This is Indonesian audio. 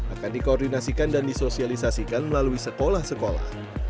akan dikoordinasikan dan disosialisasikan melalui sekolah sekolah